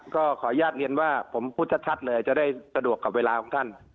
ก็ขออนุญาตเรียนว่าผมพูดชัดเลยจะได้สะดวกกับเวลาของท่าน